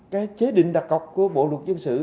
cái chế định đặt cọc của bộ luật dân sự